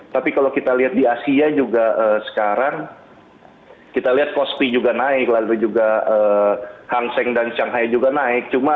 tapi kalau kita lihat di asia juga sekarang kita lihat kospi juga naik lalu juga hang seng dan shanghai juga naik